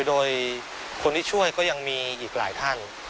โดยคนที่ช่วยก็ยังมีอีกหลายท่าน